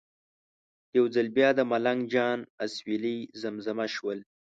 یو ځل بیا د ملنګ جان اسویلي زمزمه شول.